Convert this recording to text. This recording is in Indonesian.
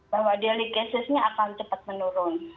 bahwa delicacies nya akan cepat menurun